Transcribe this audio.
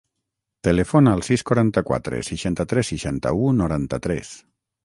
Telefona al sis, quaranta-quatre, seixanta-tres, seixanta-u, noranta-tres.